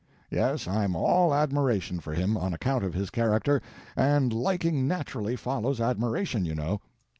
Yes, I'm all admiration for him, on account of his character, and liking naturally follows admiration, you know.